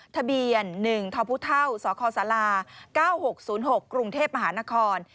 ทะเบียน๑ทพสคศ๙๖๐๖กรุงเทพมหานคร